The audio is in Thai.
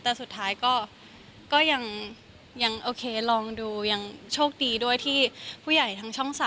แต่สุดท้ายก็ยังโอเคลองดูยังโชคดีด้วยที่ผู้ใหญ่ทางช่อง๓